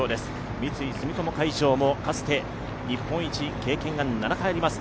三井住友海上もかつて、日本一の経験が７回あります。